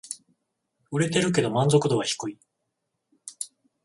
売れてるけど満足度は低い